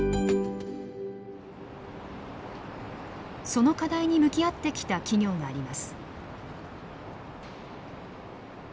その課題に向き合ってきた企業があります。